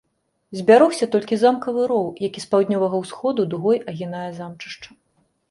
Збярогся толькі замкавы роў, які з паўднёвага усходу дугой агінае замчышча.